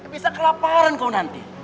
bisa kelaparan kau nanti